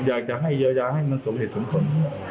อยากจะให้เยอะอยากให้มันสูงเหตุสมควร